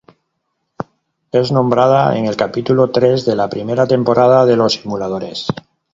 Es nombrada en el capítulo tres de la primera temporada de Los Simuladores.